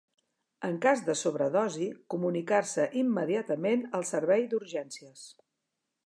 En cas de sobredosi comunicar-se immediatament al servei d'urgències.